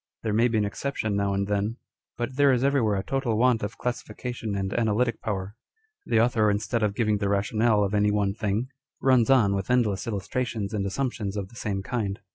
There may be an exception now and then, but there is every where a total want of classification and analytic power. The author, instead of giving the rationale of any one thing, runs on with endless illustrations and assumptions of the same kind.